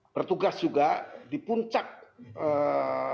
bertugas juga di puncak lembaga yang berada di sekolah